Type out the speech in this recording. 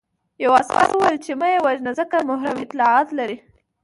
یوه عسکر وویل چې مه یې وژنه ځکه محرم اطلاعات لري